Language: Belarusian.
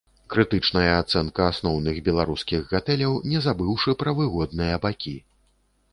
Крытычная ацэнка асноўных беларускіх гатэляў, не забыўшы пра выгодныя бакі.